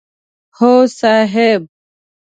هو صاحب!